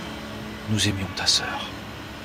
Nous aimions ta sœur.